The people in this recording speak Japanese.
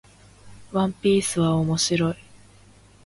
ワンピースは面白い